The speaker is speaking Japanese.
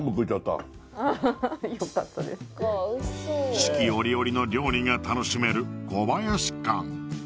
四季折々の料理が楽しめる小林館